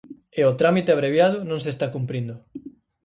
E o trámite abreviado non se está cumprindo.